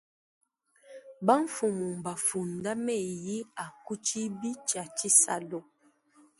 Bamfumu mbafunde meyi a ku tshibi tshia tshisalu.